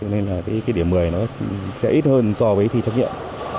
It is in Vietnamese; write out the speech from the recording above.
nên là cái điểm một mươi nó sẽ ít hơn so với thi trắc nghiệm